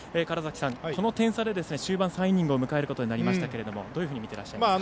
この点差で終盤３イニングを迎えることになりましたがどのように見ていますか。